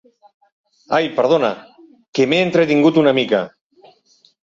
Ai, perdona, que m'he entretingut una mica.